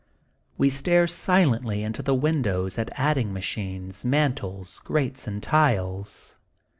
We stare silently into the windows at add ing machines, mantels, grates, and tiles.